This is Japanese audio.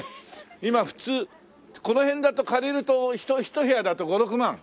今普通この辺だと借りるとひと部屋だと５６万？